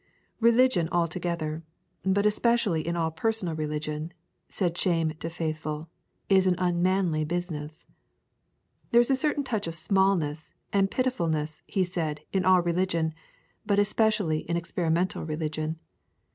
Religion altogether, but especially all personal religion, said Shame to Faithful, is an unmanly business. There is a certain touch of smallness and pitifulness, he said, in all religion, but especially in experimental religion.